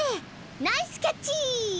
ナイスキャッチ！